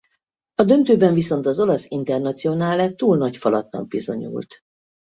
A döntőben viszont az olasz Internazionale túl nagy falatnak bizonyult.